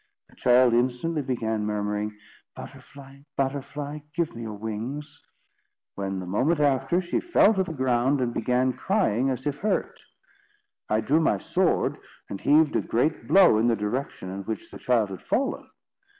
The child instantly began murmuring: 'Butterfly, butterfly, give me your wings'; when, the moment after, she fell to the ground, and began crying as if hurt. I drew my sword and heaved a great blow in the direction in which the child had fallen.